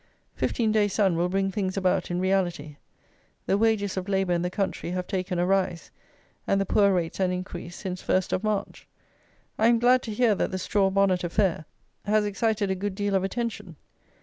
Fifteen days' sun will bring things about in reality. The wages of labour in the country have taken a rise, and the poor rates an increase, since first of March. I am glad to hear that the Straw Bonnet affair has excited a good deal of attention.